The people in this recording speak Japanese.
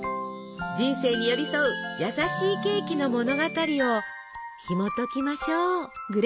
人生に寄り添う優しいケーキの物語をひもときましょう。